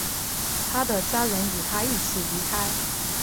他的家人与他一起离开。